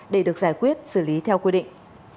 để được giải quyết xử lý theo quy định